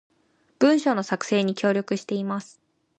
文章の作成に協力しています